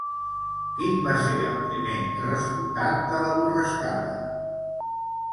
Quin va ser el primer resultat de la borrascada?